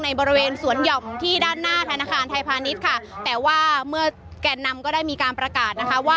ในบริเวณสวนหย่อมที่ด้านหน้าธนาคารไทยพาณิสติดจะ